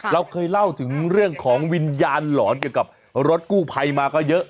เราเคยเล่าถึงเรื่องของวิญญาณหลอนเกี่ยวกับรถกู้ภัยมาก็เยอะ